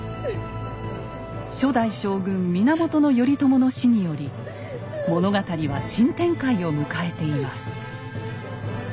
初代将軍源頼朝の死により物語は新展開を迎えています。